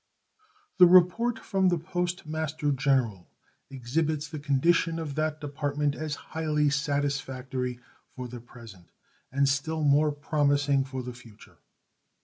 The report from the Post Master General exhibits the condition of that Department as highly satisfactory for the present and still more promising for the future.